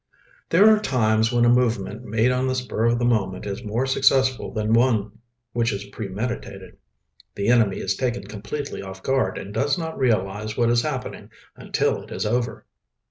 There are times when a movement made on the spur of the moment is more successful than one which is premeditated. The enemy is taken completely off guard and does not realize what is happening until it is over.